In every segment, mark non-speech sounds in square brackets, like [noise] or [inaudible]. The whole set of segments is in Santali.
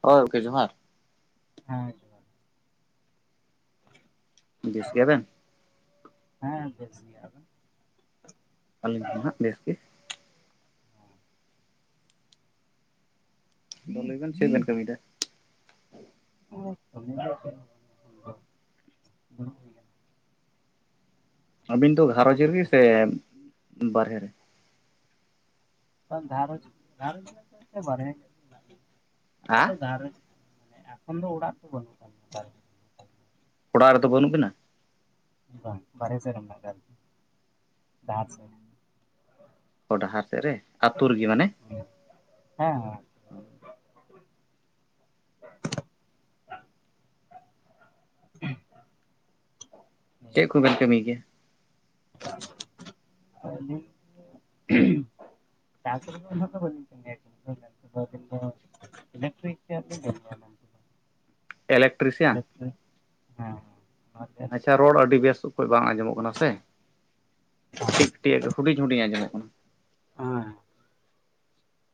ᱦᱳᱭ ᱜᱚᱝᱠᱮ ᱡᱚᱦᱟᱨ᱾ ᱦᱮᱸ ᱡᱚ ᱵᱤᱥ ᱜᱮᱭᱟ ᱵᱮᱱ᱾ ᱦᱮᱸ ᱵᱮᱥ ᱜᱮ ᱟᱵᱮᱱ᱾ ᱟᱹᱞᱤᱧ ᱦᱚᱸ ᱦᱟᱸᱜ ᱵᱮᱥ ᱜᱮ᱾ ᱫᱚ ᱞᱟᱹᱭ ᱵᱮᱱ ᱪᱮᱫ ᱵᱮᱱ ᱠᱟᱹᱢᱤᱭᱮᱫᱟ? [inaudible] ᱟᱹᱵᱤᱱ ᱫᱚ ᱜᱷᱟᱨᱚᱸᱡᱽ ᱨᱮᱜᱮ ᱥᱮ ᱵᱟᱨᱦᱮ ᱨᱮ? ᱟ [unintelligible] ᱮᱻ ᱮᱠᱷᱚᱱ ᱫᱚ ᱚᱲᱟᱜ ᱨᱮᱫᱚ ᱵᱟᱹᱱᱩᱜ ᱠᱟᱜ ᱞᱤᱧᱟ᱾ ᱵᱟᱨᱦᱮ ᱚᱲᱟᱜ ᱨᱮᱫᱚ ᱵᱟᱹᱱᱩᱜ ᱵᱤᱱᱟ? ᱵᱟᱝ ᱵᱟᱨᱦᱮ ᱥᱮᱜ ᱨᱮ ᱢᱮᱱᱟᱜ ᱟᱠᱟᱫ ᱞᱤᱧᱟ ᱾ ᱚᱻ ᱰᱟᱦᱟᱨ ᱥᱮᱫ ᱨᱮ ᱟᱛᱳ ᱨᱮᱜᱮ ᱢᱟᱱᱮ? ᱦᱮᱸᱦᱮᱸ᱾ [unintelligible] ᱪᱮᱫ ᱠᱚᱵᱮᱱ ᱠᱟᱹᱢᱤᱭ ᱜᱮᱭᱟ? [unintelligible] ᱪᱟᱥ ᱨᱮᱫᱚ ᱩᱱᱟᱹᱜ ᱫᱚ ᱵᱟᱞᱤᱧ ᱵᱟᱞᱤᱧ ᱠᱟᱢᱤᱭᱟ [unintelligible] ᱤᱞᱮᱠᱴᱨᱤᱠ ᱨᱮᱭᱟᱜ ᱫᱚ [unintelligible] ᱤᱞᱮᱠᱴᱨᱤᱥᱤᱭᱟᱱ ᱤᱞᱮᱠᱴᱨᱤᱠ ᱦᱮᱸᱦᱮᱸ᱾ ᱟᱪᱪᱷᱟ ᱨᱚᱲ ᱟᱹᱰᱤ ᱵᱮᱥ ᱚᱠᱚᱡ ᱵᱟᱝ ᱟᱸᱡᱚᱢᱚᱜ ᱠᱟᱱᱟ ᱥᱮ᱾ ᱠᱟᱹᱴᱤᱡ ᱠᱟᱹᱴᱤᱡ ᱦᱩᱰᱤᱧ ᱦᱩᱰᱤᱧ ᱟᱸᱡᱚᱢᱚᱜ ᱠᱟᱱᱟ᱾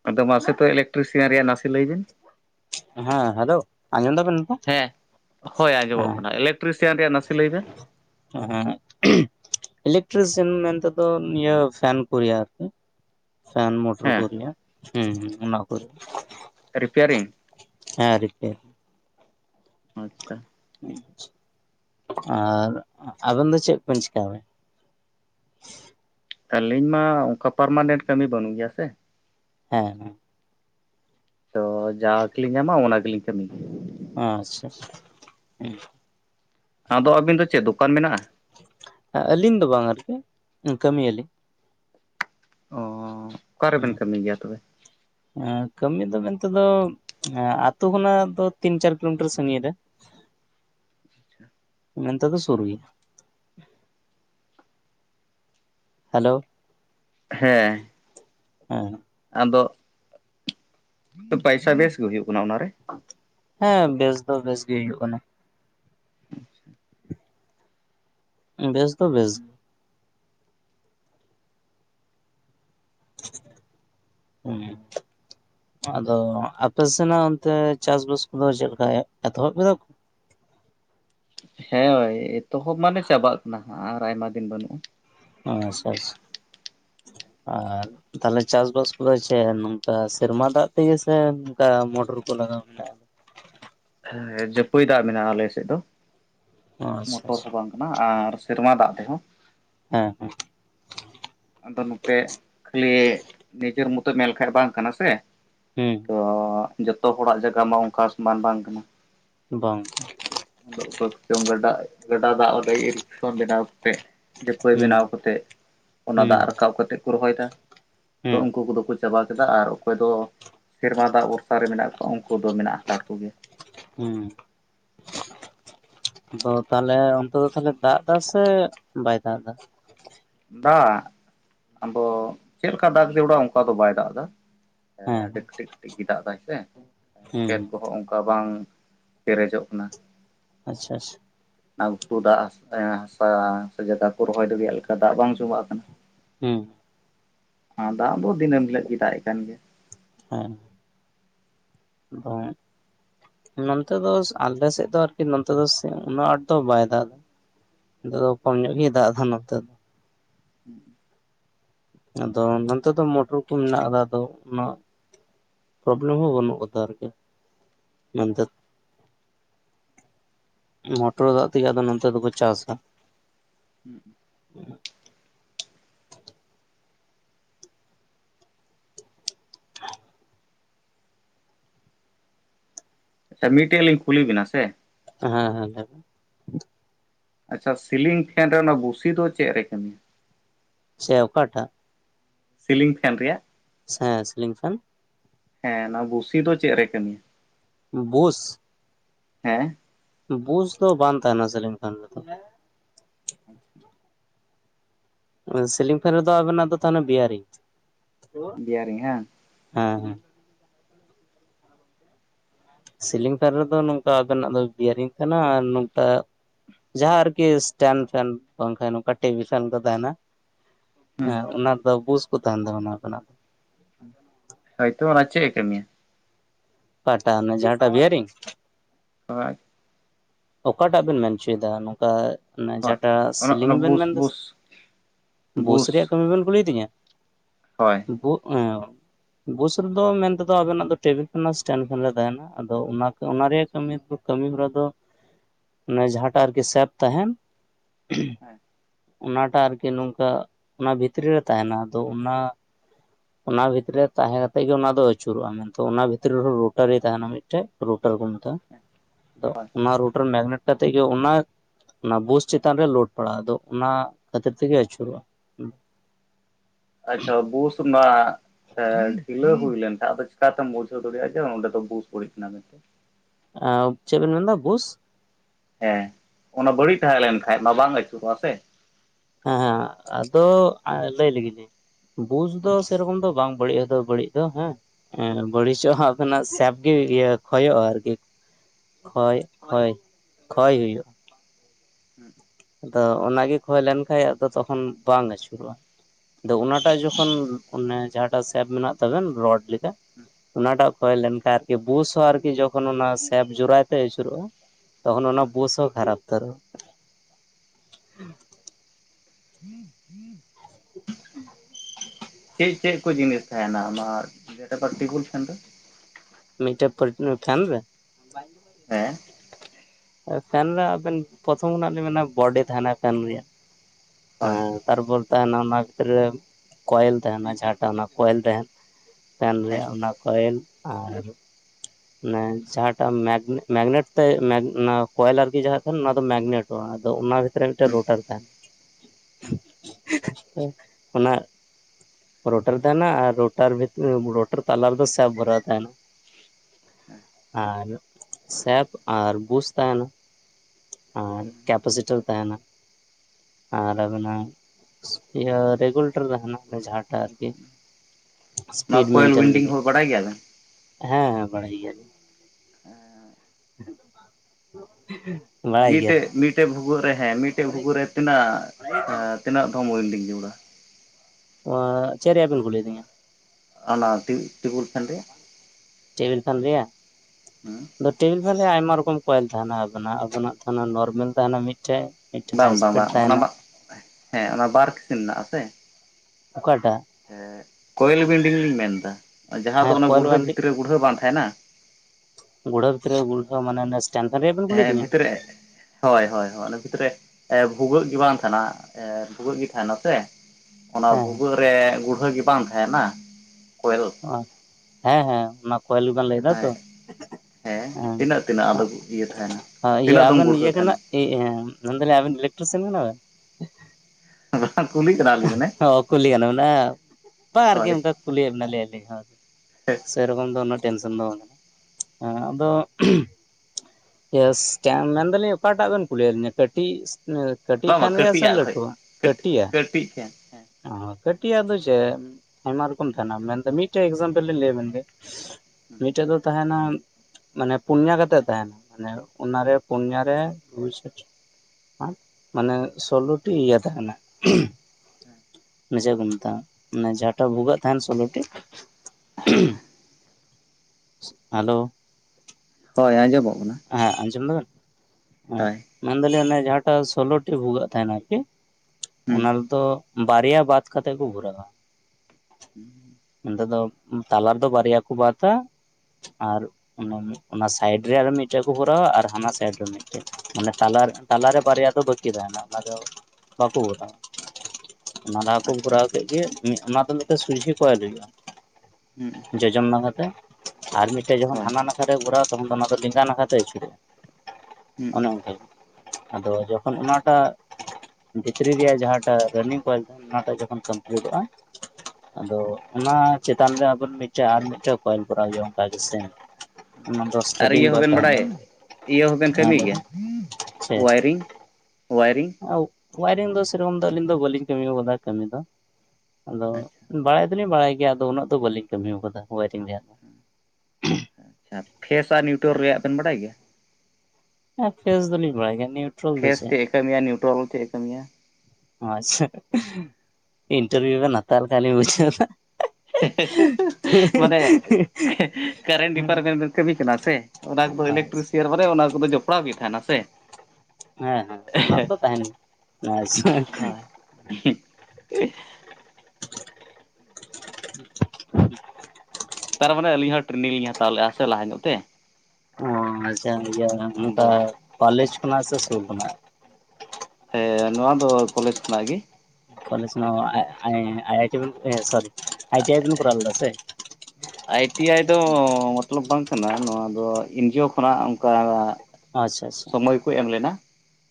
ᱟᱫᱚ ᱢᱟᱥᱮ ᱛᱚᱵᱮ ᱤᱞᱮᱠᱴᱨᱤᱥᱤᱭᱟᱱ ᱨᱮᱭᱟᱜ ᱱᱟᱥᱮ ᱞᱟᱹᱭ ᱵᱤᱱ? ᱦᱮᱸ ᱦᱮᱞᱳ ᱟᱸᱡᱚᱢ ᱫᱟᱵᱮᱱ? ᱱᱤᱛᱚᱜ ᱦᱮᱸ ᱦᱳᱭ ᱟᱸᱡᱚᱢᱚᱜ ᱦᱮᱸ ᱠᱟᱱᱟ ᱤᱞᱮᱠᱴᱨᱤᱥᱤᱭᱟᱱ ᱨᱮᱭᱟᱜ ᱱᱟᱥᱮ ᱞᱟᱹᱭ ᱵᱮᱱ? ᱦᱮᱸ ᱤᱞᱮᱠᱴᱨᱤᱥᱤᱭᱟᱱ ᱢᱮᱱᱛᱮᱫᱚ ᱱᱤᱭᱟᱹ ᱯᱷᱮᱱ ᱠᱚᱨᱮᱭᱟ ᱟᱨᱠᱤ᱾ ᱯᱷᱮᱱ ᱢᱚᱴᱚᱨ ᱦᱮᱸ ᱠᱚ ᱨᱮᱭᱟᱜ ᱦᱩᱸ ᱦᱩᱸ ᱚᱱᱟ ᱠᱚᱨᱮ᱾ ᱨᱤᱯᱤᱭᱟᱨᱤᱝ? ᱦᱮᱸ ᱨᱤᱯᱮᱭᱟᱨᱤᱝ᱾ ᱟᱪᱪᱷᱟ᱾ ᱟᱪᱪᱷᱟ ᱟᱨ ᱟᱵᱮᱱ ᱫᱚ ᱪᱮᱫ ᱵᱮᱱ ᱪᱤᱠᱟ ᱵᱟᱲᱟᱭᱟ? ᱟᱹᱞᱤᱧ ᱢᱟ ᱚᱱᱠᱟ ᱯᱟᱨᱢᱟᱱᱮᱱᱴ ᱠᱟᱹᱢᱤ ᱵᱟᱹᱱᱩᱜ ᱜᱮᱭᱟ ᱥᱮ᱾ ᱦᱮᱸ᱾ ᱦᱮᱸ ᱛᱚ ᱡᱟᱣ ᱜᱮᱞᱤᱧ ᱧᱟᱢᱟ ᱚᱱᱟ ᱜᱮᱞᱤᱧ ᱠᱟᱹᱢᱤᱭ ᱜᱮᱭᱟ᱾ ᱟᱪᱪᱷᱟ ᱟᱪᱪᱷᱟ ᱩᱸ᱾ ᱟᱫᱚ ᱟᱹᱵᱤᱱ ᱫᱚ ᱪᱮᱫ ᱫᱚᱠᱟᱱ ᱢᱮᱱᱟᱜᱼᱟ? ᱟᱹᱞᱤᱧ ᱫᱚ ᱵᱟᱝ ᱟᱨᱠᱤ ᱠᱟᱹᱢᱤᱭᱟᱹᱞᱤᱧ᱾ ᱚᱻ ᱚᱠᱟ ᱨᱮᱵᱮᱱ ᱠᱟᱹᱢᱤ ᱜᱮᱭᱟ ᱛᱚᱵᱮ? ᱮᱻ ᱠᱟᱹᱢᱤ ᱫᱚ ᱢᱮᱱᱛᱮᱫᱚ ᱮᱸ ᱟᱹᱛᱩ ᱠᱷᱚᱱᱟᱜ ᱫᱚ ᱛᱤᱱ ᱪᱟᱨ ᱠᱤᱞᱳᱢᱤᱴᱟᱨ ᱥᱟᱺᱜᱤᱧ ᱨᱮ᱾ ᱢᱮᱱ ᱛᱮᱫᱚ ᱥᱩᱨᱩ ᱜᱮᱭᱟ᱾ ᱦᱮᱞᱳ᱾ ᱦᱮᱸ ᱦᱮᱸ ᱟᱫᱚ ᱯᱟᱭᱥᱟ ᱵᱮᱥ ᱜᱮ ᱦᱩᱭᱩᱜ ᱠᱟᱱᱟ ᱚᱱᱟᱨᱮ? ᱦᱮᱸ ᱵᱮᱥ ᱫᱚ ᱵᱮᱥ ᱜᱮ ᱦᱩᱭᱩᱜ ᱠᱟᱱᱟ᱾ ᱟᱪᱪᱷᱟ᱾ ᱵᱮᱥ ᱫᱚ ᱵᱮᱥ ᱜᱮ ᱦᱩᱸ᱾ ᱟᱫᱚ ᱟᱯᱮ ᱥᱮᱱᱟᱜ ᱚᱱᱛᱮ ᱪᱟᱥᱵᱟᱥ ᱠᱚᱫᱚ ᱪᱮᱫ ᱞᱮᱠᱟ ᱮᱛᱚᱦᱚᱵ ᱠᱮᱫᱟ ᱠᱚ? ᱦᱮᱸ ᱳᱭ ᱮᱛᱚᱦᱚᱵ ᱢᱟᱱᱮ ᱪᱟᱵᱟᱜ ᱠᱟᱱᱟ ᱦᱟᱸᱜ ᱟᱨ ᱟᱭᱢᱟ ᱫᱤᱱ ᱵᱟᱹᱱᱩᱜᱼᱟ ᱾ ᱟᱪᱪᱷᱟ ᱟᱪᱪᱷ ᱟᱨ, ᱛᱟᱦᱚᱞᱮ ᱪᱟᱥᱵᱟᱥ ᱠᱚ ᱫᱚ ᱪᱮᱫ ᱱᱚᱝᱠᱟ ᱥᱮᱨᱢᱟ ᱫᱟᱜ ᱛᱮ ᱜᱮ ᱥᱮ ᱱᱚᱝᱠᱟ ᱢᱚᱴᱚᱨ ᱠᱚ ᱞᱟᱜᱟᱣ ᱢᱮᱱᱟᱜᱼᱟ? ᱦᱮᱸ ᱡᱟᱹᱯᱟᱹᱭ ᱫᱟᱜ ᱢᱮᱱᱟᱜᱼᱟ ᱟᱞᱮ ᱥᱮᱫ ᱫᱚ, ᱚ ᱟᱪᱪᱷᱟ ᱢᱚᱴᱚᱨ ᱟᱪᱪᱷᱟ ᱦᱚᱸ ᱵᱟᱝ ᱠᱟᱱᱟ ᱟᱨ ᱥᱮᱨᱢᱟ ᱫᱟᱜ ᱛᱮ ᱦᱚᱸ᱾ ᱦᱮᱸ ᱦᱮᱸ, ᱟᱫᱚ ᱱᱚᱛᱮ ᱠᱷᱟᱹᱞᱤ ᱱᱤᱡᱮᱨ ᱢᱩᱛᱟᱹ ᱧᱮᱱ ᱞᱮᱠᱷᱟᱡ ᱵᱟᱝ ᱠᱟᱱᱟ ᱥᱮ᱾ ᱦᱩᱸ, ᱛᱚ ᱡᱚᱛᱚ ᱦᱚᱲᱟᱜ ᱡᱟᱜᱟ ᱢᱟ ᱚᱝᱠᱟ ᱥᱟᱢᱟᱱ ᱵᱟᱝ ᱠᱟᱱᱟ᱾ ᱵᱟᱝ, ᱟᱫᱚ ᱚᱠᱚᱭ ᱠᱚᱪᱚᱝ ᱜᱟᱰᱟ ᱜᱟᱰᱟ ᱫᱟᱜ ᱚᱸᱰᱮ ᱤᱨᱤᱠᱥᱚᱱ ᱵᱮᱱᱟᱣ ᱠᱟᱛᱮᱫ, ᱡᱟᱹᱯᱟᱹᱭ ᱦᱩᱸ ᱵᱮᱱᱟᱣ ᱠᱟᱛᱮᱫ ᱚᱱᱟ ᱦᱩᱸ ᱫᱟᱜ ᱨᱟᱠᱟᱵ ᱠᱟᱛᱮᱜ ᱠᱚ ᱨᱚᱦᱚᱭᱫᱟ, ᱛᱚ ᱦᱩᱸ ᱩᱱᱠᱩ ᱠᱚᱫᱚ ᱠᱚ ᱪᱟᱵᱟ ᱠᱮᱫᱟ ᱟᱨ ᱚᱠᱚᱭ ᱫᱚ ᱥᱮᱨᱢᱟ ᱫᱟᱜ ᱵᱷᱚᱨᱥᱟ ᱨᱮ ᱢᱮᱱᱟᱜ ᱠᱚᱣᱟ ᱩᱱᱠᱩ ᱫᱚ ᱢᱮᱱᱟᱜ ᱦᱟᱛᱟᱲ ᱠᱚ ᱜᱮᱭᱟ᱾ ᱦᱩᱸ, ᱚᱱᱛᱮ ᱫᱚ ᱛᱟᱦᱞᱮ ᱚᱱᱛᱮ ᱫᱚ ᱛᱟᱞᱦᱮ ᱫᱟᱜ ᱫᱟ ᱥᱮ ᱵᱟᱭ ᱫᱟᱜ ᱮᱫᱟ? ᱫᱟᱜ ᱟᱫᱚ ᱪᱮᱫ ᱞᱮᱠᱟ ᱫᱟᱜ ᱡᱟᱹᱨᱩᱲᱟ ᱚᱝᱠᱟ ᱫᱚ ᱵᱟᱭ ᱫᱟᱜ ᱮᱫᱟ᱾ ᱦᱮᱸ ᱟᱹᱰᱤ ᱠᱟᱹᱴᱤᱡ ᱠᱟᱹᱴᱤᱡ ᱜᱮ ᱫᱟᱜ ᱮᱫᱟᱭ ᱥᱮ ᱦᱩᱸ ᱠᱷᱮᱛ ᱠᱚ ᱦᱚ, ᱚᱝᱠᱟ ᱵᱟᱝ ᱯᱮᱨᱮᱡᱚᱜ ᱠᱟᱱᱟ᱾ ᱟᱪᱪᱷᱟ ᱟᱪᱪᱷᱟ, ᱚᱱᱟ ᱜᱷᱩᱴᱩ ᱫᱟᱜ ᱦᱟᱥᱟ ᱦᱟᱥᱟ ᱥᱮ ᱡᱟᱫᱟ ᱠᱚ ᱨᱚᱦᱚᱭ ᱫᱟᱲᱮᱭᱟᱜ ᱞᱮᱠᱟ ᱫᱟᱜ ᱵᱟᱝ ᱪᱚᱵᱟᱜ ᱟᱠᱟᱱᱟ᱾ ᱦᱩᱸ, ᱟᱸ ᱫᱟᱜ ᱫᱚ ᱫᱤᱱᱟᱹᱢ ᱦᱤᱞᱟᱹᱜ ᱜᱮ ᱫᱟᱜ ᱮ ᱠᱟᱱ ᱜᱮᱭᱟ᱾ ᱦᱮᱸ, ᱫᱚᱝ, ᱱᱚᱱᱛᱮ ᱫᱚ ᱟᱞᱮ ᱥᱮᱫ ᱫᱚ ᱟᱨᱠᱤ ᱱᱚᱱᱛᱮ ᱫᱚ ᱥᱮ ᱩᱱᱟᱹᱜ ᱟᱸᱴ ᱫᱚ ᱵᱟᱭ ᱫᱟᱜ ᱮᱫᱟ᱾ ᱱᱚᱛᱮ ᱫᱚ ᱠᱚᱢ ᱧᱚᱜ ᱜᱮ ᱫᱟᱜᱫᱟ ᱱᱚᱛᱮ ᱫᱚ᱾ ᱟᱫᱚ ᱱᱚᱛᱮ ᱫᱚ ᱢᱳᱴᱳᱨ ᱠᱚ ᱢᱮᱱᱟᱜ ᱟᱠᱟᱫᱟ ᱛᱚ ᱚᱱᱟ [inaudible] ᱵᱟᱹᱱᱩᱜ ᱠᱟᱛᱟ ᱨᱮᱜᱮ ᱢᱮᱱᱛᱮ᱾ ᱢᱚᱴᱚᱨ ᱫᱟᱜ ᱛᱮᱜᱮ ᱟᱫᱚ ᱱᱚᱛᱮ ᱫᱚᱠᱚ ᱪᱟᱥᱟ᱾ ᱦᱩᱸ, [inaudible] ᱢᱮᱫᱴᱮᱫ ᱢᱤᱫᱴᱮ ᱞᱤᱧ ᱠᱩᱞᱤ ᱵᱤᱱᱟ ᱥᱮ? ᱦᱮᱸ ᱦᱮᱸ ᱞᱮᱵᱤᱱ, ᱟᱪᱪᱷᱟ ᱥᱤᱞᱤᱝ ᱯᱷᱮᱱ ᱨᱮ ᱚᱱᱟ ᱵᱩᱥᱤ ᱫᱚ ᱪᱮᱫ ᱨᱮ ᱠᱟᱹᱢᱤᱭᱟ? ᱪᱷᱮ ᱚᱠᱟᱴᱟᱜ? ᱥᱤᱞᱤᱝ ᱯᱷᱮᱱ ᱨᱮᱭᱟᱜ, ᱦᱮᱸ ᱥᱤᱞᱤᱤᱝ ᱯᱷᱮᱱ, ᱦᱮᱸ ᱱᱚᱣᱟ ᱵᱩᱥᱤ ᱫᱚ ᱪᱮᱫ ᱨᱮ ᱠᱟᱹᱢᱤᱭᱟ? ᱵᱩᱥᱻ, ᱦᱮᱸ, ᱵᱩᱥ ᱫᱚ ᱵᱟᱝᱟ ᱛᱟᱦᱮᱸᱱᱟ ᱥᱤᱞᱤᱝ ᱯᱷᱮᱟᱱ ᱨᱮ ᱫᱚ᱾ ᱟᱪᱪᱷᱟ, ᱥᱤᱞᱤᱝ ᱯᱷᱮᱱ ᱨᱮ ᱫᱚ ᱟᱵᱮᱱᱟᱜ ᱫᱚ ᱛᱟᱦᱚᱱᱟ ᱵᱮᱭᱟᱨᱤᱝ ᱾ ᱵᱤᱭᱟᱨᱤᱝ ᱦᱮᱸ, ᱦᱮᱸ ᱦᱮᱸ᱾ ᱥᱤᱞᱤᱝ ᱯᱷᱮᱱ ᱨᱮᱫᱚ ᱱᱚᱝᱠᱟ ᱟᱵᱮᱱᱟᱜ ᱫᱚ ᱵᱤᱭᱟᱨᱤᱝ ᱛᱟᱦᱮᱸᱱᱟ ᱟᱨ ᱱᱚᱝᱠᱟ ᱡᱟᱦᱟᱸ ᱟᱨᱠᱤ ᱤᱥᱴᱮᱱ ᱯᱷᱮᱱ ᱵᱟᱝᱠᱷᱟᱡ ᱱᱝᱠᱟ ᱴᱤᱵᱤ ᱯᱷᱮᱱ ᱠᱚ ᱛᱟᱦᱮᱸᱱᱟ ᱦᱩᱸ ᱮᱸ ᱚᱱᱟ ᱫᱚ ᱵᱩᱥ ᱠᱚ ᱛᱟᱦᱮᱸᱱ ᱫᱚ ᱚᱱᱟ ᱵᱮᱱᱟᱜ᱾ ᱦᱳᱭᱛᱚ ᱚᱱᱟ ᱪᱮᱫ ᱮ ᱠᱟᱹᱢᱤᱭᱟ? ᱚᱠᱟᱴᱟ ᱚᱱᱮ ᱡᱟᱸᱦᱟᱴᱟᱜ ᱵᱤᱭᱟᱨᱤᱸᱝ? [inaudible] ᱚᱠᱟᱴᱟᱜ ᱵᱮᱱ ᱢᱮᱱ ᱦᱚᱪᱚᱭᱮᱫᱟ ᱱᱚᱝᱠᱟ ᱢᱟᱱᱮ ᱦᱳᱭ ᱡᱟᱦᱟᱸᱴᱟᱜ ᱚᱱᱟ ᱥᱤᱞᱤᱝ ᱚᱱᱟ ᱵᱮᱱ ᱵᱩᱥ ᱢᱮᱱᱫᱟ ᱵᱩᱥ ᱵᱳᱥ ᱵᱩᱥ ᱨᱮᱭᱟᱜ ᱠᱟᱹᱢᱤ ᱵᱮᱱ ᱠᱩᱞᱤ ᱤᱫᱤᱧᱟ? ᱦᱳᱭ᱾ [unintelligible] ᱵᱩᱥ ᱨᱮᱫᱚ ᱢᱮᱱᱛᱮᱫᱚ ᱟᱵᱮᱱᱟᱜ ᱫᱚ ᱴᱮᱵᱤᱞ ᱯᱷᱮᱱ ᱥᱴᱮᱱᱰ ᱯᱷᱮᱱ ᱨᱮ ᱛᱟᱦᱮᱸᱱᱟ, ᱟᱫᱚ ᱚᱱᱟ ᱚᱱᱟ ᱨᱮᱭᱟᱜ ᱠᱟᱹᱢᱤ ᱫᱚ ᱠᱟᱹᱢᱤ ᱦᱚᱨᱟ ᱫᱚ ᱚᱱᱮ ᱡᱟᱦᱟᱸᱴᱟᱜ ᱟᱨᱠᱤ ᱥᱮᱯ ᱛᱟᱦᱮᱸᱱ᱾ ᱦᱮᱸ᱾ ᱚᱱᱟᱴᱟᱜ ᱟᱨᱠᱤ ᱱᱚᱝᱠᱟ, ᱚᱱᱟ ᱵᱷᱤᱛᱨᱤ ᱨᱮ ᱛᱟᱦᱮᱸᱱᱟ ᱟᱫᱚ ᱚᱱᱟ ᱚᱱᱟ ᱵᱷᱤᱛᱨᱤ ᱛᱟᱦᱮᱸ ᱠᱟᱛᱮᱫ ᱜᱮ ᱚᱱᱟᱫᱚ ᱟᱹᱪᱩᱨᱚᱜ-ᱟ, ᱢᱮᱱᱛ ᱚᱱᱟ ᱵᱷᱤᱛᱨᱤ ᱨᱮᱦᱚᱸ ᱨᱩᱴᱟᱨᱤ ᱛᱟᱦᱮᱸᱱᱟ ᱢᱤᱫᱴᱮᱡ᱾ ᱨᱩᱴᱟᱨ ᱠᱚ ᱢᱮᱛᱟᱜ-ᱟ, ᱟᱫᱚ ᱦᱳᱭ ᱚᱱᱟ ᱨᱩᱴᱟᱨ ᱢᱮᱜᱱᱮᱴ ᱠᱟᱛᱮᱫ ᱜᱮ ᱚᱱᱟ, ᱚᱱᱟ ᱵᱩᱥ ᱪᱮᱛᱟᱱ ᱨᱮ ᱞᱳᱰ ᱯᱟᱲᱟᱜ-ᱟ ᱟᱫᱚ ᱚᱱᱟ ᱠᱷᱟᱹᱛᱤᱨ ᱛᱮᱜᱮ ᱟᱹᱪᱩᱨᱚᱜ-ᱟ᱾ ᱟᱪᱪᱷᱟ ᱵᱩᱥ ᱢᱟ ᱮ ᱰᱷᱤᱞᱟᱹ ᱦᱩᱭ ᱞᱮᱱᱠᱷᱟᱱᱡ ᱟᱫᱚ ᱪᱤᱠᱟᱛᱮᱢ ᱵᱩᱡᱷᱟᱹᱣ ᱫᱟᱲᱮᱭᱟᱜ-ᱟ ᱡᱮ ᱚᱸᱰᱮ ᱫᱚ ᱵᱩᱥ ᱵᱟᱹᱲᱤᱡ ᱠᱟᱱᱟ ᱢᱮᱱᱛᱮ? ᱟᱻ ᱪᱮᱫ ᱵᱮᱱ ᱢᱮᱱᱫᱟ ᱵᱩᱥ ᱦᱮᱸ ᱚᱱᱟ ᱵᱟᱹᱲᱤᱡᱽ ᱛᱟᱦᱮᱸ ᱞᱮᱱᱠᱷᱟᱡ ᱢᱟ ᱵᱟᱝ ᱟᱹᱪᱩᱨᱚᱜ-ᱟ ᱥᱮ᱾ ᱦᱮᱸ ᱦᱮᱸ ᱟᱫᱚ ᱞᱟᱹᱭ ᱞᱮᱜᱮ ᱞᱤᱧ ᱵᱩᱥ ᱫᱚ ᱥᱮᱨᱚᱠᱚᱢ ᱫᱚ ᱵᱟᱝ ᱵᱟᱹᱲᱤᱡ ᱟᱫᱚ ᱵᱟᱹᱲᱤᱡ ᱫᱚ ᱦᱮᱸ ᱵᱟᱹᱲᱤᱡᱚᱜ ᱦᱚᱸ ᱟᱵᱮᱱᱟᱜ ᱥᱮᱯ ᱜᱮ ᱤᱭᱟᱹ ᱠᱷᱚᱭᱚᱜ-ᱟ ᱟᱨᱠᱤ᱾ ᱠᱷᱚᱭ ᱠᱷᱚᱭ ᱠᱷᱚᱭ ᱦᱩᱭᱩᱜ-ᱟ᱾ ᱦᱮᱸ᱾ ᱟᱫᱚ ᱚᱱᱟᱜᱤ ᱠᱷᱚᱭ ᱞᱮᱱᱠᱷᱟᱡ ᱟᱫᱚ ᱛᱚᱠᱷᱚᱱ ᱵᱟᱝ ᱟᱹᱪᱩᱨᱚᱜ-ᱟ᱾ ᱟᱫᱚ ᱚᱱᱟᱴᱟᱜ ᱡᱚᱠᱷᱚᱱ ᱚᱱᱮ ᱡᱟᱦᱟᱸᱴᱟᱜ ᱥᱮᱯ ᱢᱮᱱᱟᱜ ᱛᱟᱵᱮᱱ ᱨᱚᱰ ᱞᱮᱠᱟ ᱚᱱᱟᱴᱟᱜ ᱠᱚᱭ ᱞᱮᱱᱠᱷᱟᱱ ᱟᱨᱠᱤ ᱵᱩᱥ ᱦᱚᱸ ᱟᱨᱠᱤ ᱡᱚᱠᱷᱚᱱ ᱚᱱᱟ ᱥᱮᱯ ᱡᱳᱨᱟᱭ ᱛᱮ ᱟᱹᱪᱩᱨᱚᱜ-ᱟ᱾ ᱛᱚ ᱚᱱᱚ ᱚᱱᱟ ᱵᱩᱥ ᱦᱚᱸ ᱠᱷᱟᱨᱟᱯ ᱩᱛᱟᱹᱨᱚ [inaudible] ᱦᱩᱸ ᱦᱩᱸ [inaudible] [unintelligible] ᱪᱮᱫ ᱪᱮᱫ ᱠᱚ ᱡᱤᱱᱤᱥ ᱛᱟᱦᱮᱸᱱᱟ ᱟᱢᱟᱜ ᱞᱮᱴᱟᱨ ᱴᱮᱵᱩᱞ ᱯᱷᱮᱱ ᱨᱮ? [unintelligible] ᱯᱷᱮᱱ ᱨᱮ᱾ ᱦᱮᱸ ᱯᱷᱮᱱ ᱨᱮ ᱟᱵᱮᱱ ᱯᱨᱚᱛᱷᱚᱢ ᱠᱷᱚᱱᱟᱜ ᱞᱤᱧ ᱢᱮᱱᱟ ᱵᱳᱰᱤ ᱛᱟᱦᱮᱱᱟ ᱯᱷᱮᱱ ᱨᱮᱭᱟᱜᱼᱼ ᱦᱳᱭ, ᱛᱟᱨᱯᱚᱨ ᱛᱟᱦᱮᱸᱱᱟ ᱚᱱᱟ ᱵᱷᱤᱛᱨᱤ ᱨᱮ, ᱠᱚᱭᱮᱞ ᱛᱟᱦᱮᱸᱱᱟ ᱡᱟᱦᱟᱸᱴᱟᱜ ᱚᱱᱟ ᱠᱚᱭᱮᱞ ᱛᱟᱦᱮᱸᱱ ᱾ ᱯᱷᱮᱱ ᱦᱮᱸ ᱨᱮᱭᱟᱜ ᱚᱱᱟ ᱠᱚᱭᱮᱞ ᱟᱨᱼᱼ ᱢᱟᱱᱮ ᱡᱟᱦᱟᱸᱴᱟᱜ ᱢᱮᱜ ᱢᱮᱜᱱᱮᱴ ᱛᱮ ᱚᱱᱟ ᱠᱚᱭᱮᱞ ᱟᱨᱠᱤ ᱡᱟᱦᱟᱸ ᱛᱟᱦᱮᱸᱱ ᱚᱱᱟ ᱫᱚ ᱢᱮᱜᱱᱮᱴᱚᱜ-ᱟ ᱟᱫᱚ ᱚᱱᱟᱼᱼ ᱢᱤᱫᱴᱮᱱ ᱨᱳᱴᱟᱨ ᱛᱟᱦᱮᱸᱱᱟ ᱚᱱᱟᱼᱼ ᱨᱳᱴᱟᱨ ᱛᱟᱦᱮᱸᱱᱟ ᱟᱨ ᱨᱳᱴᱟᱨ ᱵᱷᱤᱛᱨᱤ ᱨᱳᱚᱴᱟᱨ ᱛᱟᱞᱟ ᱨᱮᱫᱚ ᱥᱮᱵᱽ ᱵᱷᱚᱨᱟᱣ ᱛᱟᱦᱮᱸᱱᱟ ᱾ ᱟᱨ ᱥᱮᱯ ᱟᱨ ᱵᱩᱥ ᱛᱟᱦᱮᱸᱱᱟ ᱾ ᱟᱨ ᱠᱮᱯᱟᱥᱤᱴᱟᱨ ᱛᱟᱦᱮᱸᱱᱟ ᱾ ᱟᱨ ᱟᱵᱤᱱᱟ ᱤᱭᱟᱹ ᱨᱮᱜᱩᱞᱮᱴᱟᱨ ᱛᱚ ᱛᱟᱦᱮᱱᱟ ᱡᱟᱦᱟᱸ ᱟᱨᱠᱤ ᱚᱱᱟ ᱥᱤᱯᱤᱰ ᱠᱚᱭᱮᱞ ᱢᱮᱱᱴᱮᱱ ᱩᱭᱤᱱᱰᱤᱝ ᱞᱟᱹᱜᱤᱫ ᱦᱚᱸ ᱵᱟᱰᱟᱭ ᱜᱮᱭᱟ ᱵᱮᱱ? ᱾ ᱦᱮᱸ ᱦᱮᱸ ᱵᱟᱲᱟᱭ ᱜᱮᱭᱟ ᱞᱤᱧ ᱾ [unintelligible] ᱢᱤᱫᱴᱮᱡ ᱜᱮᱭᱟᱞᱤᱧ ᱢᱤᱫᱴᱮᱡ ᱵᱷᱩᱜᱚᱜ ᱨᱮ ᱦᱮᱸ ᱢᱤᱫᱴᱮᱡ ᱵᱷᱩᱜᱚᱜ ᱨᱮ ᱛᱤᱱᱟᱹᱜ ᱛᱤᱱᱟᱜ ᱫᱷᱚᱢ ᱚᱭᱞᱤᱧ ᱡᱟᱲᱩᱲᱟ [unintelligible] ᱪᱮᱫ ᱨᱮᱭᱟ ᱵᱤᱱ ᱠᱩᱞᱤ ᱠᱮᱫᱤᱧᱟ? ᱚᱱᱟ ᱴᱮᱵᱤᱞ ᱯᱷᱮᱱ ᱨᱮᱭᱟ? ᱴᱮᱵᱤᱞ ᱯᱷᱮᱱ ᱨᱮᱭᱟᱜ? ᱦᱩᱸ ᱟᱸ ᱴᱮᱵᱤᱞ ᱯᱷᱮᱱ ᱨᱮ ᱟᱭᱢᱟ ᱨᱚᱠᱚᱢ ᱠᱚᱭᱮᱞ ᱛᱟᱦᱮᱱᱟ ᱟᱵᱮᱱᱟᱜ ᱟᱵᱮᱱᱟᱜ ᱛᱟᱦᱮᱱᱟ ᱱᱚᱨᱢᱮᱞ ᱛᱟᱦᱮᱱᱟ ᱢᱤᱫᱴᱮᱡ ᱾ ᱵᱟᱝ ᱵᱟᱝ ᱵᱟᱝ ᱚᱱᱟ ᱢᱟ ᱦᱮᱸ ᱚᱱᱟ ᱵᱟᱨ ᱠᱤᱥᱢ [unintelligible] ᱢᱮᱱᱟᱜ-ᱟ ᱥᱮ? ᱚᱠᱟᱴᱟᱜ ᱠᱚᱭᱮᱞ ᱵᱤᱱᱰᱤᱝ ᱞᱤᱧ ᱢᱮᱱ ᱮᱫᱟ ᱡᱟᱦᱟᱸ ᱦᱮᱸ ᱫᱚ ᱚᱱᱟ ᱠᱚᱭᱮᱞ ᱜᱩᱲᱦᱟᱹ ᱵᱟᱱᱰᱤ ᱵᱷᱤᱛᱨᱤ ᱨᱮ ᱜᱩᱲᱦᱟᱹ ᱵᱟᱝ ᱛᱟᱦᱮᱸᱱᱟ᱾ ᱜᱩᱲᱦᱟᱹᱵᱷᱤᱛᱨ ᱨᱮ ᱜᱩᱲᱦᱟᱹ ᱢᱟᱱᱮ ᱥᱴᱮᱱ ᱯᱷᱮᱱ ᱨᱮᱭᱟᱜ ᱵᱮᱱ ᱦᱮᱸ ᱠᱩᱞᱤᱭᱤᱫᱤᱧᱟ ᱵᱷᱤᱛᱚᱨ ᱨᱮ ᱦᱳᱭ ᱦᱳᱭ ᱦᱳᱭ ᱚᱱᱟ ᱵᱷᱤᱛᱤᱨ ᱨᱮ ᱵᱷᱩᱜᱟᱹᱜ ᱜᱮ ᱵᱟᱝ ᱛᱟᱦᱮᱱᱟ ᱵᱷᱩᱜᱟᱹᱜ ᱜᱮ ᱛᱟᱦᱮᱱᱟ ᱥᱮ? ᱚᱱᱟ ᱦᱮᱸ ᱵᱷᱩᱜᱟᱹᱜ ᱨᱮ ᱜᱩᱲᱦᱟᱹ ᱜᱮ ᱵᱟᱝ ᱛᱟᱦᱮᱱᱟ ᱠᱚᱭᱮᱞ ᱦᱮᱸ ᱦᱮᱸ ᱚᱱᱟ ᱠᱚᱭᱮᱞ ᱜᱮ ᱵᱮᱱ ᱞᱟᱹᱭ ᱫᱟ ᱛᱚ? ᱦᱮᱸ ᱦᱮᱸ ᱛᱤᱱᱟᱹᱜ ᱛᱤᱱᱟᱹᱜ ᱟᱫᱚ ᱤᱭᱟᱹ ᱛᱟᱦᱮᱱᱟ ᱦᱮᱸᱦᱳᱭ ᱤᱭᱟᱹ ᱛᱤᱱᱟᱹᱜ ᱫᱚᱢ ᱟᱵᱮᱱ ᱜᱩᱲᱦᱟᱹ ᱤᱭᱟᱹ ᱠᱟᱱᱟ ᱛᱟᱦᱮᱱᱟ ᱦᱮᱸ ᱢᱮᱱᱫᱟᱞᱤᱧ ᱟᱵᱤᱱ ᱤᱞᱮᱠᱴᱚᱨᱤᱥᱤᱭᱟᱱ ᱠᱟᱱᱟ ᱵᱮᱱ? ᱵᱟᱝ ᱠᱩᱞᱤ ᱠᱟᱱᱟ ᱦᱚᱸ ᱠᱩᱞᱤ ᱠᱟᱱᱟ ᱢᱮᱱᱟᱜ-ᱟ ᱵᱟᱝ ᱟᱨᱠᱤ ᱦᱳᱭ ᱚᱱᱠᱟ ᱠᱩᱞᱤᱭᱮᱫ ᱵᱮᱱᱟ ᱞᱤᱧ ᱦᱚᱸ᱾ ᱥᱮ ᱨᱚᱠᱚᱢ ᱫᱚ ᱩᱱᱟᱹᱜ ᱴᱮᱱᱥᱚᱱ ᱫᱚ ᱵᱟᱝ ᱠᱟᱱᱟ, ᱟᱫᱚ ᱮᱥ ᱢᱮᱱᱫᱟᱞᱤᱧ ᱚᱠᱟᱴᱟᱜ ᱵᱮᱱ ᱠᱩᱞᱤᱼᱮᱫ ᱞᱤᱧᱟ ᱠᱟᱹᱴᱤᱡ ᱠᱟᱹᱴᱤ ᱯᱷᱮᱱ ᱨᱮᱭᱟ ᱥᱮ ᱞᱟᱹᱴᱩ ᱟᱜ ᱠᱟᱹᱴᱤᱡᱟᱜ? ᱠᱟᱴᱤᱡ ᱯᱷᱮᱱ ᱚ ᱠᱟᱹᱴᱤᱡ ᱟᱜ ᱫᱚ ᱪᱮᱫ ᱟᱭᱢᱟ ᱨᱚᱠᱚᱢ ᱛᱟᱦᱮᱱᱟ ᱢᱮᱱᱫᱚ ᱢᱤᱫᱴᱮᱡ ᱮᱠᱡᱟᱢᱯᱚᱞᱤᱧ ᱞᱟᱹᱭ ᱟᱵᱮᱱ ᱜᱮ ᱢᱤᱫᱴᱮᱡ ᱫᱚ ᱛᱟᱦᱮᱱᱟ ᱢᱟᱱᱮ ᱯᱩᱱᱭᱟ ᱠᱟᱛᱮᱜ ᱛᱟᱦᱮᱱᱟ ᱢᱟᱱᱮ ᱚᱱᱟᱨᱮ ᱯᱩᱱᱭᱟ ᱨᱮ ᱵᱷᱚᱛ ᱢᱟᱱᱮ ᱥᱳᱞᱳᱴᱤ ᱤᱭᱟᱹ ᱛᱟᱦᱮᱱᱟ ᱾ ᱪᱮᱫ ᱠᱚ ᱢᱮᱛᱟᱜ-ᱟ ᱢᱟᱱᱮ ᱡᱟᱦᱟᱸᱴᱟᱜ ᱵᱷᱩᱜᱟᱹᱜ ᱛᱟᱦᱮᱱ ᱥᱳᱞᱚᱴᱤ [inaudible] ᱦᱳᱭ ᱟᱸᱡᱚᱢᱚᱜ ᱠᱟᱱᱟ ᱾ ᱦᱮᱸ ᱟᱸᱡᱚᱢ ᱫᱟᱵᱤᱱ ᱢᱮᱱᱫᱟᱞᱤᱧ ᱡᱟᱦᱟᱸᱴᱟᱜ ᱥᱳᱞᱳᱴᱤᱤ ᱵᱷᱩᱜᱟᱜ ᱛᱟᱦᱮᱱᱟ ᱟᱨᱠᱤ ᱦᱩᱸ ᱚᱱᱟ ᱨᱮᱫᱚ ᱵᱟᱨᱭᱟ ᱵᱟᱫ ᱠᱟᱛᱮᱜ ᱠᱚ ᱵᱷᱚᱨᱟᱣ-ᱟ ᱾ [unintelligible] ᱚᱱᱛᱮ ᱫᱚ ᱛᱟᱞᱟ ᱨᱮᱫᱚ ᱵᱟᱨᱭᱟ ᱠᱚ ᱵᱟᱫ-ᱟ ᱾ ᱟᱨ ᱚᱱᱟ ᱥᱟᱭᱤᱰ ᱨᱮ ᱟᱨ ᱢᱤᱫ ᱴᱮᱡ ᱠᱚ ᱠᱚᱨᱟᱣᱟ ᱟᱨ ᱦᱟᱱᱟ ᱥᱟᱭᱤᱰ ᱨᱮ ᱢᱤᱫᱴᱮᱡ ᱢᱟᱱᱮ ᱛᱟᱞᱟᱨ ᱛᱟᱞᱟᱨᱮ ᱵᱟᱨᱭᱟ ᱫᱚ ᱵᱟᱹᱠᱤ ᱛᱟᱦᱮᱱᱟ, ᱚᱱᱟ ᱫᱚ ᱵᱟᱠᱚ ᱜᱚᱴᱟ ᱚᱱᱟ ᱫᱷᱟᱣ ᱠᱚ ᱟᱪᱪᱷᱟ ᱵᱷᱚᱨᱟᱣ ᱠᱮᱫ ᱜᱮ ᱚᱱᱟ ᱫᱚ ᱢᱤᱫᱴᱤᱡ ᱥᱚᱡᱷᱮ ᱠᱚᱭᱮᱞ ᱦᱩᱭᱩᱜ-ᱟ᱾ ᱦᱩᱸ ᱡᱚᱡᱚᱢ ᱱᱟᱠᱷᱟᱛᱮ ᱟᱨ ᱢᱤᱫᱴᱮᱱ ᱡᱚᱠᱷᱚᱱ ᱦᱳᱭ ᱦᱟᱱᱟ ᱱᱟᱠᱷᱟ ᱨᱮ ᱠᱩᱨᱟᱣ ᱛᱚᱠᱷᱚᱱ ᱫᱚ ᱚᱱᱟ ᱫᱚ ᱰᱮᱸᱜᱟ ᱱᱟᱠᱷᱟᱛᱮ ᱟᱹᱪᱩᱨᱚᱜ-ᱟ᱾ ᱦᱩᱸ ᱚᱱᱮ ᱚᱱᱠᱟᱜᱮ ᱟᱫᱚ ᱡᱚᱠᱷᱚᱱ ᱚᱱᱟᱴᱟᱜ ᱵᱷᱤᱛᱨᱤ ᱨᱮᱭᱟᱜ ᱡᱟᱦᱟᱸᱴᱟᱜ ᱴᱟᱨ ᱨᱟᱱᱤᱝ ᱠᱚᱭᱮᱞ ᱚᱱᱟᱴᱟᱜ ᱡᱚᱠᱷᱚᱱ ᱠᱚᱢᱯᱞᱤᱴᱚᱜ-ᱟ ᱟᱫᱚ ᱚᱱᱟ ᱪᱮᱛᱟᱱ ᱨᱮ ᱟᱵᱟᱨ ᱢᱤᱴᱮᱱ ᱟᱨ ᱢᱤᱫᱴᱮᱱ ᱵᱟᱹᱧ ᱠᱚᱨᱟᱣ ᱦᱚᱭᱚᱜ-ᱟ ᱚᱱᱠᱟ ᱜᱮ ᱥᱮ ᱚᱱᱟ ᱫᱚ ᱟᱨ ᱥᱴᱟᱴᱤᱝ ᱤᱭᱟᱹ ᱵᱟᱫ ᱦᱚᱸᱵᱮᱱ ᱵᱟᱲᱟᱭ ᱛᱟᱦᱮᱱᱟ ᱤᱭᱟᱹ ᱦᱚᱸᱵᱮᱱ ᱠᱟᱹᱢᱤᱤᱭ ᱜᱮᱭᱟ ᱥᱮ ᱳᱣᱟᱭᱨᱤᱝ ᱳᱣᱟᱭᱨᱤᱝ? ᱳᱭᱟᱨᱤᱝ ᱫᱚ ᱥᱮᱨᱚᱠᱚᱢ ᱫᱚ ᱟᱹᱞᱤᱧ ᱫᱚ ᱵᱟᱹᱞᱤᱧ ᱠᱟᱹᱢᱤ ᱟᱠᱟᱫᱟ ᱠᱟᱹᱢᱤ ᱫᱚ ᱟᱫᱚ ᱟᱪᱪᱷᱟ ᱵᱟᱲᱟᱭ ᱫᱚᱞᱤᱧ ᱵᱟᱲᱟᱭ ᱜᱮᱭᱟ ᱟᱫᱚ ᱩᱱᱟᱹᱜ ᱫᱚ ᱵᱟᱹᱞᱤᱧ ᱠᱟᱹᱢᱤ ᱠᱟᱫᱟ ᱳᱭᱟᱨᱤᱝ ᱨᱮᱭᱟᱜ ᱫᱚ ᱯᱷᱮᱥ ᱟᱨ ᱱᱤᱭᱩᱴᱚᱨ ᱨᱮᱭᱟᱜ ᱵᱮᱱ ᱵᱟᱰᱟᱭ ᱜᱮᱭᱟ? ᱦᱮ ᱯᱷᱮᱥ ᱫᱚᱞᱤᱧ ᱵᱟᱰᱟᱭ ᱜᱮᱭᱟ ᱱᱤᱭᱩᱴ ᱯᱷᱮᱥ ᱪᱮᱫ ᱮ ᱠᱟᱹᱢᱤᱭᱟ ᱱᱤᱭᱩᱴᱨᱳᱞ ᱪᱮᱫ ᱮ ᱠᱟᱹᱢᱤᱭᱟ? ᱚ ᱟᱪᱪᱷᱟ ᱤᱱᱴᱟᱨᱵᱷᱤᱭᱩ ᱵᱮᱱ ᱦᱟᱛᱟᱣ ᱞᱮᱠᱷᱟ ᱞᱤᱧ ᱵᱩᱡᱷᱟᱹᱣ ᱫᱟ᱾ ᱢᱟᱱᱮ ᱦᱮᱸ ᱠᱟᱨᱮᱱᱴ ᱰᱤᱯᱟᱨᱴᱢᱮᱱᱴ ᱨᱮᱱ ᱠᱟᱹᱢᱤ ᱠᱟᱱᱟ ᱥᱮ ᱚᱱᱟ ᱠᱚᱫᱚ ᱤᱞᱮᱠᱴᱨᱤᱥᱤᱭᱟᱨ ᱵᱟᱱᱮ ᱚᱱᱟ ᱠᱚᱫᱚ ᱡᱚᱼᱼ ᱯᱲᱟᱣ ᱜᱮ ᱛᱟᱦᱮᱱᱟ ᱥᱮ ᱦᱮᱸ ᱦᱮᱸ ᱚᱱᱟ ᱠᱚᱫᱚ ᱛᱟᱦᱮᱱᱟ ᱟᱪᱷᱟ ᱦᱳᱭ [inaudible] [inaudible] ᱛᱟᱨ ᱢᱟᱱᱮ ᱟᱹᱞᱤᱧ ᱦᱚᱸ ᱴᱨᱮᱱᱤᱝ ᱞᱤᱧ ᱦᱟᱛᱟᱣ ᱞᱮᱜᱼᱟ ᱥᱮ ᱞᱟᱦᱟ ᱧᱚᱜ ᱛᱮ ᱚ ᱟᱪᱪᱷᱟ ᱤᱭᱟᱹ ᱱᱚᱝᱠᱟ ᱟᱫᱚ ᱯᱟᱨᱞᱮᱡᱽ ᱠᱷᱚᱱᱟᱜ ᱥᱮ ᱤᱥᱠᱩᱞ ᱠᱷᱚᱱᱟᱜ? ᱦᱮᱸ ᱱᱚᱣᱟ ᱫᱚ ᱠᱚᱞᱮᱡᱽ ᱠᱷᱚᱱᱟᱜ ᱜᱮ᱾ ᱠᱳᱞᱮᱡ ᱠᱷᱳᱱᱟᱜ I I T so I T I ᱵᱤᱱ ᱠᱚᱨᱟᱣ ᱞᱮᱫᱟ ᱥᱮ? ᱟᱭ ᱴᱤ ᱟᱭ ᱫᱚ ᱢᱚᱛᱞᱚᱵᱽ ᱵᱟᱝ ᱠᱟᱱᱟ ᱱᱚᱣᱟ ᱫᱚ ᱮᱱᱡᱤᱭᱳ ᱠᱷᱚᱱᱟᱜ ᱚᱱᱠᱟ ᱚ ᱟᱪᱪᱷᱟ ᱟᱪᱪᱷᱟ ᱥᱚᱢᱚᱭ ᱠᱚ ᱮᱢ ᱞᱮᱱᱟ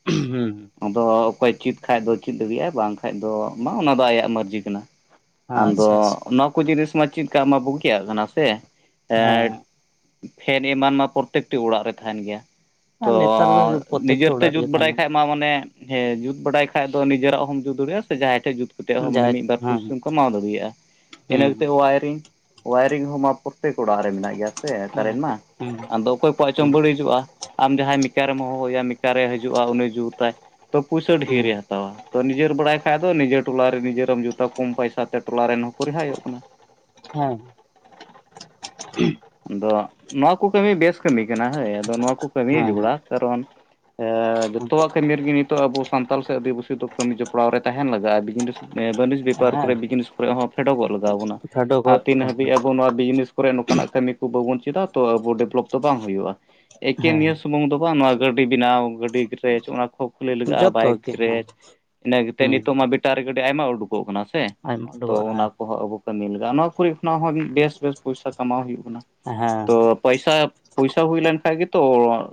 ᱦᱩᱸ ᱦᱩᱸ ᱟᱫᱚ ᱚᱠᱚᱭ ᱪᱮᱫ ᱠᱷᱟᱡ ᱫᱚ ᱪᱮᱫ ᱫᱟᱲᱮᱭᱟᱜᱟᱭ ᱵᱟᱝ ᱠᱷᱟᱱᱡ ᱫᱚ ᱵᱟᱝ ᱚᱱᱟ ᱫᱚ ᱟᱭᱟᱜ ᱢᱟᱨᱡᱷᱤ ᱠᱟᱱᱟ ᱟᱪᱪᱷᱟ ᱟᱪᱪᱷᱟ ᱟᱫᱚ ᱱᱚᱣᱟ ᱠᱚ ᱡᱤᱱᱤᱥ ᱢᱟ ᱪᱮᱫᱠᱟ ᱢᱟ ᱵᱩᱜᱤᱭᱟᱜ ᱠᱟᱱᱟ ᱥᱮ ᱦᱮᱸ ᱮᱴ ᱯᱷᱮᱱ ᱮᱢᱟᱱ ᱢᱟ ᱯᱨᱚᱛᱮᱠᱴᱤ ᱚᱲᱟᱜ ᱨᱮ ᱛᱟᱦᱮᱱ ᱜᱮᱭᱟ ᱛᱚ ᱟᱨ ᱱᱮᱛᱟᱨ ᱫᱚ ᱯᱨᱚᱛᱛᱮᱠᱴᱟ ᱱᱤᱡᱮᱛᱮ ᱚᱲᱟᱜ ᱡᱩᱛ ᱨᱮᱜᱮ ᱵᱟᱲᱟᱭ ᱛᱟᱦᱮᱱ ᱠᱷᱟᱡ ᱢᱟ ᱢᱟᱱᱮ ᱦᱮᱸ ᱡᱩᱛ ᱵᱟᱰᱟᱭ ᱠᱷᱟᱡ ᱫᱚ ᱱᱤᱡᱮᱨᱟᱜ ᱦᱚᱢ ᱡᱩᱛ ᱫᱟᱲᱮᱭᱟᱜᱼᱟ ᱥᱮ ᱡᱟᱦᱟᱸᱭ ᱴᱷᱮ ᱡᱩᱛ ᱠᱟᱛᱮ ᱠᱟᱱᱟ ᱦᱚᱸ ᱢᱟᱱᱮ ᱡᱟᱦᱟᱸ ᱢᱤᱫ ᱵᱟᱨ ᱦᱮᱸ ᱯᱩᱭᱥᱟᱹᱢ ᱠᱚ ᱠᱟᱢᱟᱣ ᱫᱟᱲᱮᱭᱟᱜᱼᱟ ᱦᱮᱸ ᱦᱩᱸ ᱤᱱᱟᱹᱠᱟᱛᱮ ᱳᱣᱟᱭᱨᱤᱝ ᱳᱣᱟᱭᱨᱤᱝ ᱦᱚᱸ ᱢᱟ ᱯᱚ ᱛᱮᱠ ᱚᱲᱟᱜ ᱨᱮ ᱢᱮᱱᱟᱜ ᱜᱮᱭᱟ ᱥᱮ ᱠᱟᱨᱮᱱ ᱢᱟ ᱦᱩᱸ ᱟᱫᱚ ᱚᱠᱚᱭ ᱠᱚᱣᱟᱜ ᱦᱩᱸ ᱪᱚᱝ ᱵᱟᱹᱲᱤᱡᱩᱜᱼᱟ᱾ ᱟᱢ ᱡᱟᱦᱟᱸᱭ ᱢᱤᱠᱟᱨᱮᱢ ᱦᱚᱦᱚᱣᱟᱭᱟ ᱢᱤᱠᱟᱨᱮᱭ ᱦᱤᱡᱩᱜᱼᱟ ᱩᱱᱤ ᱡᱩᱛᱟᱭ ᱛᱚ ᱯᱩᱭᱥᱟᱹ ᱰᱷᱮᱨ ᱦᱩᱸ ᱮ ᱦᱟᱛᱟᱣᱟ ᱛᱚ ᱱᱤᱡᱮᱨ ᱵᱟᱲᱟᱭ ᱠᱷᱟᱡ ᱫᱚ ᱱᱤᱡᱮᱨ ᱴᱚᱞᱟᱨᱮ ᱱᱤᱡᱮᱨᱮᱢ ᱡᱩᱛ ᱠᱚᱢ ᱯᱚᱭᱥᱟ ᱛᱮ ᱴᱚᱞᱟ ᱨᱮᱱ ᱦᱚᱸᱠᱚ ᱨᱮᱦᱟᱭᱚᱜ ᱠᱟᱱᱟ᱾ ᱦᱮᱸ ᱟᱫᱚ ᱱᱚᱣᱟ ᱠᱚ ᱠᱟᱹᱢᱤ ᱵᱮᱥ ᱠᱟᱹᱢᱤ ᱠᱟᱱᱟ ᱦᱳᱭ ᱟᱫᱚ ᱱᱚᱣᱟ ᱠᱚ ᱠᱟᱹᱢᱤ ᱦᱮᱸ ᱡᱚᱜᱲᱟ ᱠᱟᱨᱚᱱ ᱮ ᱡᱚᱛᱚᱣᱟᱜ ᱠᱟᱹᱢᱤ ᱨᱮᱜᱮ ᱱᱤᱛᱚᱜ ᱟᱵᱚ ᱥᱟᱱᱛᱟᱞ ᱥᱮ ᱟᱹᱫᱤᱵᱟᱹᱥᱤ ᱫᱚ ᱠᱟᱹᱢᱤ ᱡᱚᱯᱲᱟᱣ ᱨᱮ ᱛᱟᱦᱮᱱ ᱞᱟᱜᱟᱜᱼᱟ ᱵᱤᱜᱱᱮᱥ ᱮ ᱵᱟᱹᱱᱤᱡᱽ ᱵᱮᱯᱟᱨ ᱦᱮᱸ ᱠᱚᱨᱮ ᱵᱤᱡᱽᱱᱮᱥ ᱠᱚᱨᱮ ᱦᱚᱸ ᱯᱷᱮᱰᱚᱜ ᱜᱚᱜ ᱞᱟᱜᱟᱣ ᱵᱚᱱᱟ ᱠᱷᱟᱰᱚ ᱠᱚ ᱟᱨ ᱛᱤᱱ ᱦᱟᱹᱵᱤᱡ ᱟᱵ ᱵᱚ ᱱᱚᱣᱟ ᱵᱤᱡᱽᱱᱮᱥ ᱠᱚᱨᱮ ᱱᱚᱝᱠᱟᱱᱟᱜ ᱠᱟᱹᱢᱤ ᱠᱚ ᱵᱟᱵᱚᱱ ᱪᱮᱫᱟ ᱛᱚ ᱟᱵᱚ ᱰᱮᱵᱷᱞᱚᱯ ᱫᱚ ᱵᱟᱝ ᱦᱩᱭᱩᱜᱼᱟ᱾ ᱮᱠᱮᱱ ᱦᱮᱸ ᱱᱤᱭᱟᱹ ᱥᱩᱢᱩᱝ ᱫᱚ ᱵᱟᱝ ᱱᱚᱣᱟ ᱜᱟᱹᱰᱤ ᱵᱮᱱᱟᱣ ᱜᱟᱹᱰᱤ ᱜᱨᱮᱡᱽ ᱚᱱᱟ ᱠᱚ ᱠᱷᱩᱞᱟᱹᱭ ᱞᱟᱜᱟᱜᱼᱟ ᱡᱚᱛᱚ ᱵᱟᱭᱤᱠ ᱜᱮ ᱨᱮ ᱦᱮᱸ ᱤᱱᱟᱹ ᱠᱟᱛᱮᱫ ᱦᱩᱸ ᱱᱤᱛᱚᱜ ᱢᱟ ᱵᱮᱴ ᱴᱟᱨᱤ ᱜᱟᱹᱰᱤ ᱟᱭᱢᱟ ᱩᱰᱩᱠᱚᱜ ᱠᱟᱱᱟ ᱥᱮ ᱟᱭᱢᱟ ᱛᱚ ᱩᱰᱩᱠᱚᱜ ᱚᱱᱟ ᱦᱮᱸ ᱠᱚᱦᱚᱸ ᱟᱵᱚ ᱠᱟᱹᱢᱤ ᱞᱟᱜᱟᱼᱟ ᱱᱚᱣᱟ ᱠᱚᱨᱮ ᱠᱷᱚᱱᱟᱜ ᱦᱚᱸ ᱵᱮᱥ ᱵᱮᱥ ᱯᱚᱭᱥᱟ ᱠᱟᱢᱟᱣ ᱦᱩᱭᱩᱜ ᱠᱟᱱᱟ ᱛᱚ ᱯᱚᱭᱥᱟ ᱯᱚᱭᱥᱟ ᱦᱩᱭ ᱞᱮᱱ ᱠᱷᱟᱱᱡ ᱜᱮᱛᱚ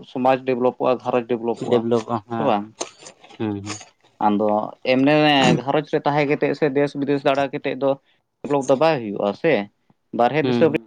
ᱥᱚᱢᱟᱡᱽ ᱰᱮᱵᱷᱞᱚᱯᱚᱜᱼᱟ ᱜᱷᱟᱨᱚᱡᱽ ᱰᱮᱵᱷᱞᱚᱯᱚᱜᱼᱟ ᱥᱮ ᱵᱟᱝ? ᱦᱩᱸ ᱦᱩᱸ ᱟᱫᱚ ᱮᱢᱱᱤ ᱜᱷᱟᱨᱚᱸᱡᱽ ᱨᱮ ᱛᱟᱦᱮᱸ ᱠᱟᱛᱮᱫ ᱥᱮ ᱫᱮᱥ ᱵᱤᱫᱮᱥ ᱫᱟᱲᱟ ᱠᱟᱛᱮᱫ ᱫᱚ ᱰᱮᱵᱷᱞᱚᱯ ᱫᱚ ᱵᱟᱭ ᱦᱩᱭᱩᱜᱼᱟ ᱥᱮ ᱵᱟᱨᱦᱮ ᱦᱩᱸ ᱫᱤᱥᱚᱢ ᱵᱤ